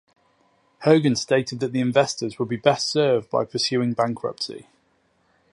Hogan stated that the investors would be best served by pursuing bankruptcy.